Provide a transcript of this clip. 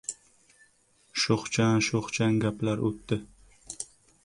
Sho‘xchan-sho‘xchan gaplar otdi.